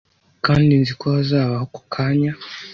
Kandi nzi ko hazabaho ako kanya